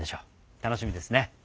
楽しみですね。